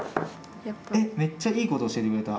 えっめっちゃいいこと教えてくれた。